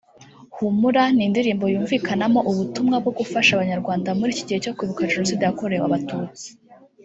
Humura ni indirimbo yumvikanamo ubutumwa bwo gufasha abanyarwanda muri iki gihe cyo kwibuka Jenoside yakorewe Abatutsi